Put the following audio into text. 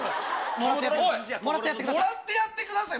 もらってやってください？